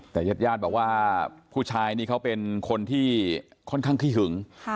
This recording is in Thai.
แต่ญาติญาติบอกว่าผู้ชายนี่เขาเป็นคนที่ค่อนข้างขี้หึง